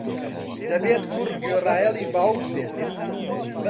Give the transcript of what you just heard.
دەبێت کوڕ گوێڕایەڵی باوک بێت.